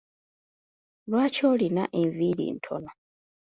Lwaki olina enviiri ntono?